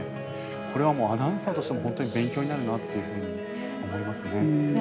これはアナウンサーとしても本当に勉強になるなと思いますね。